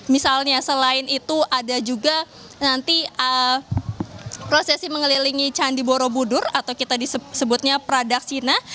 misalnya selain itu ada juga nanti prosesi mengelilingi candi borobudur atau kita disebutnya pradaksina